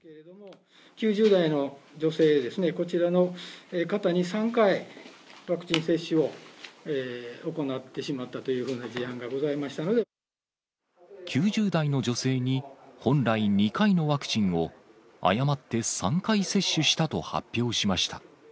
９０代の女性にですね、こちらの方に３回、ワクチン接種を行ってしまったというふうな事案がございましたの９０代の女性に、本来２回のワクチンを、誤って３回接種したと発表しました。